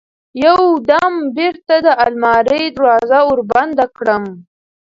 يو دم بېرته د المارى دروازه وربنده کړم.